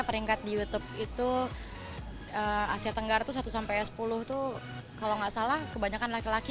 peringkat di youtube itu asia tenggara tuh satu sampai sepuluh tuh kalau nggak salah kebanyakan laki laki